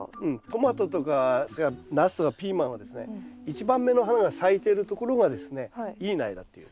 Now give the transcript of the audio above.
トマトとかそれからナスとかピーマンはですね一番目の花が咲いているところがですねいい苗だっていう。